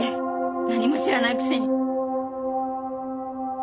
何も知らないくせに！